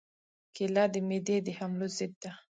کېله د معدې د حملو ضد ده.